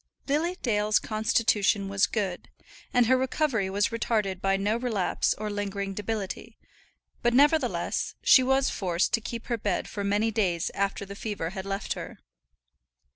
Lily Dale's constitution was good, and her recovery was retarded by no relapse or lingering debility; but, nevertheless, she was forced to keep her bed for many days after the fever had left her.